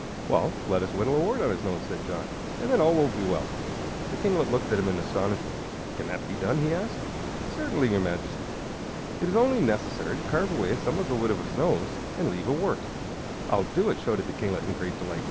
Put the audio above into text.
"Well, let us whittle a wart on his nose," said John, "and then all will be well." The kinglet looked at him in astonishment. "Can that be done?" he asked. "Certainly, your Majesty. It is only necessary to carve away some of the wood of his nose, and leave a wart." "I'll do it!" shouted the kinglet, in great delight.